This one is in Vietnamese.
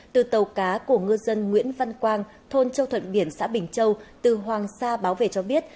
từ tàu cá của ngư dân nguyễn văn quang thôn châu thuận biển xã bình châu từ hoàng sa báo về cho biết